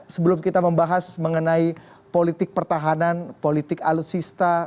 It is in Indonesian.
sebelum kita membahas mengenai politik pertahanan politik alutsista